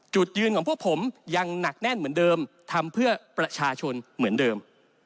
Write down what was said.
จุดยืนของพวกผมยังหนักแน่นเหมือนเดิมทำเพื่อประชาชนเหมือนเดิม